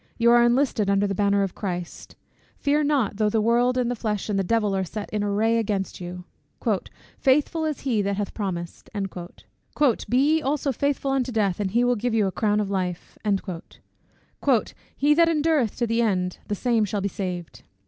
You are enlisted under the banner of Christ Fear not, though the world, and the flesh, and the devil are set in array against you. "Faithful is he that hath promised;" "be ye also faithful unto death, and he will give you a crown of life." "He that endureth to the end, the same shall be saved."